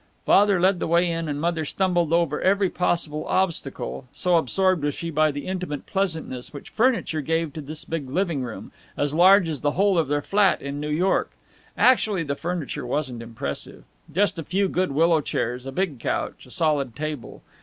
Father led the way in, and Mother stumbled over every possible obstacle, so absorbed was she by the intimate pleasantness which furniture gave to this big living room as large as the whole of their flat in New York. Actually, the furniture wasn't impressive just a few good willow chairs, a big couch, a solid table.